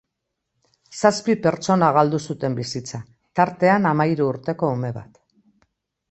Zazpi pertsona galdu zuten bizitza, tartean hamahiru urteko ume bat.